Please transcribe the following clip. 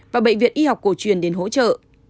và bệnh viện y học cổ truyền đến hỗ trợ